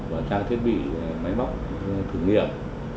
và trang thiết bị máy móc thử nghiệm